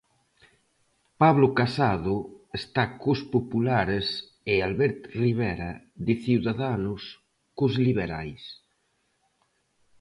Pablo Casado está cos populares e Albert Rivera, de Ciudadanos, cos liberais.